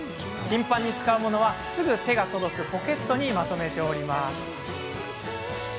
頻繁に使うものはすぐ手が届くポケットにまとめました。